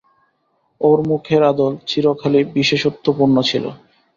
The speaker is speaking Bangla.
ওর মুখের আদল চিরকালই বিশেষত্বপূর্ণ ছিল।